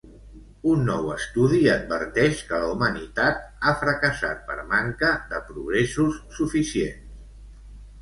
Un nou estudi adverteix que la humanitat ha fracassat per manca de progressos suficients.